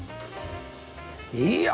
いや！